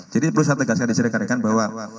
jadi perlu saya tegaskan di sisi rekan rekan bahwa